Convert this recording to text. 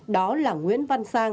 đó là nguyễn văn sang hai mươi một